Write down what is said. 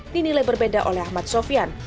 dinilai berbeda oleh ahmad sofian